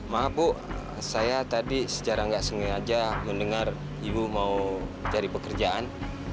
maaf bu saya tadi secara nggak sengaja mendengar ibu mau cari pekerjaan